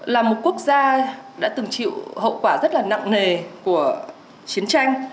là một quốc gia đã từng chịu hậu quả rất là nặng nề của chiến tranh